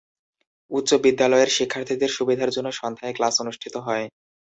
উচ্চ বিদ্যালয়ের শিক্ষার্থীদের সুবিধার জন্য সন্ধ্যায় ক্লাস অনুষ্ঠিত হয়।